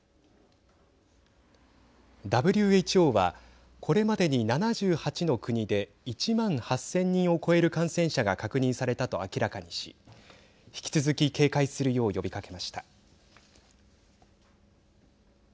ＷＨＯは、これまでに７８の国で１万８０００人を超える感染者が確認されたと明らかにし引き続き警戒するよう呼びかけました。